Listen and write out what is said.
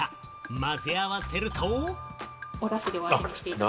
混ぜ合わせると。